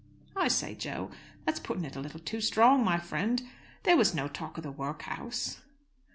"I say, Jo, that's putting it a little too strong, my friend! There was no talk of the workhouse."